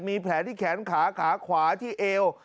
มีแผลที่แขนขาขาขวาที่เอว